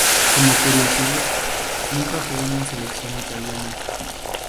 Como curiosidad, nunca jugó en la selección italiana.